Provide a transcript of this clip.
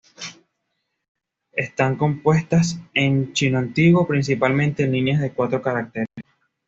Están compuestas en chino antiguo, principalmente en líneas de cuatro caracteres.